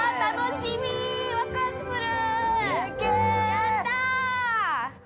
◆やったー！